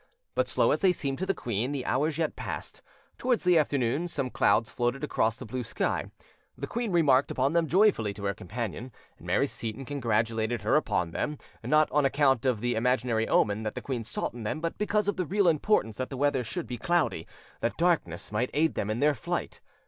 But slow as they seemed to the queen, the hours yet passed: towards the afternoon some clouds floated across the blue sky; the queen remarked upon them joyfully to her companion; Mary Seyton congratulated her upon them, not on account of the imaginary omen that the queen sought in them, but because of the real importance that the weather should be cloudy, that darkness might aid them in their flight.